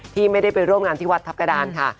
ที่ไม่ได้ไปร่วมงานที่วัดทัพกระดานค่ะ